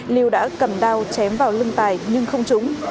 liêu đã cầm đao chém vào lưng tài nhưng không trúng